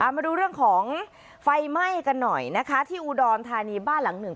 มาดูเรื่องของไฟไหม้กันหน่อยนะคะที่อุดรธานีบ้านหลังหนึ่ง